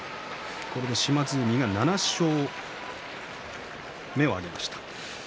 島津海は７勝目を挙げました。。